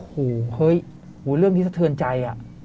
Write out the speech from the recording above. โอ้โหเฮ้ยเรื่องนี้สะเทือนใจ